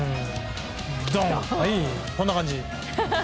こんな感じ。